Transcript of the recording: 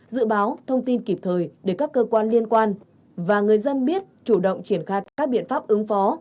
dự báo thông tin kịp thời để các cơ quan liên quan và người dân biết chủ động triển khai các biện pháp ứng phó